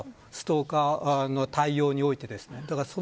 ストーカーの対応において。